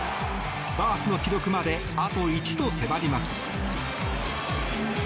バースの記録まであと１と迫ります。